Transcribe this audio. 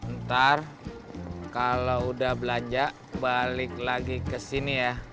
ntar kalau udah belanja balik lagi kesini ya